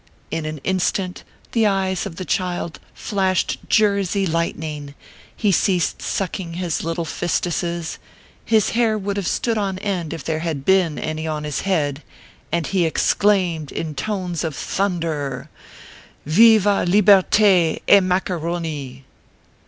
In an instant the eyes of the child flashed Jersey lightning, he ceased sucking his little fistesses, his hair would have stood on end if there had been any on his head, and he exclaimed in tones of thunder r r :" Viva Liberte et Maccaroni!"